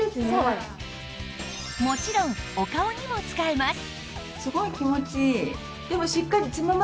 もちろんお顔にも使えます